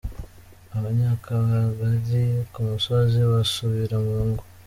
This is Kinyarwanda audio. Abanyakabagali ku musozi basuubira mu ngo .